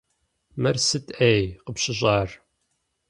Мыр сыт, ӏей, къыпщыщӏар?